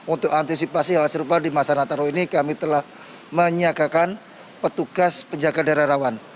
untuk antisipasi hal serupa di masa nataru ini kami telah menyiagakan petugas penjaga daerah rawan